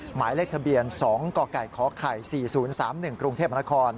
หมายเลขทะเบียน๒กกขไข่๔๐๓๑กรุงเทพมนคร